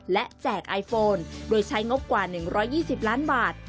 และแจกไอโฟนโดยใช้งบกว่า๑๒๐ล้านบาท